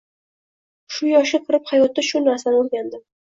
Shu yoshga kirib hayotda shu narsani o’rgandim.